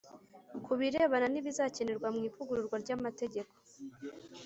ku birebana n'ibazakenerwa mu ivugururwa ry'amategeko.